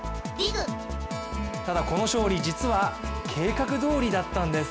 ただこの勝利、実は計画どおりだったんです。